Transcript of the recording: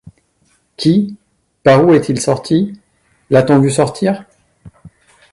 Qui? par où est-il sorti ? l’a-t-on vu sortir ?